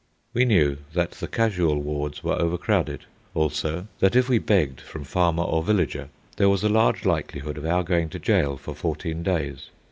We knew that the casual wards were overcrowded; also, that if we begged from farmer or villager, there was a large likelihood of our going to jail for fourteen days.